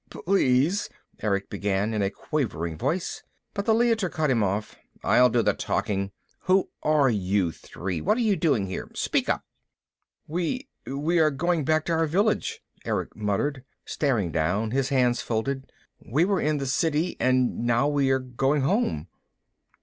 "Please " Erick began in a quavering voice, but the Leiter cut him off. "I'll do the talking. Who are you three? What are you doing here? Speak up." "We we are going back to our village," Erick muttered, staring down, his hands folded. "We were in the City, and now we are going home."